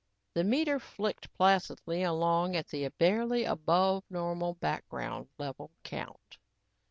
The meter flicked placidly along at the barely above normal background level count.